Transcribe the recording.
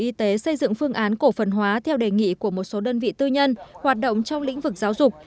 y tế xây dựng phương án cổ phần hóa theo đề nghị của một số đơn vị tư nhân hoạt động trong lĩnh vực giáo dục